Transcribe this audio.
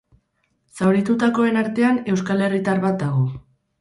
Zauritutakoen artean, euskal herritar bat dago.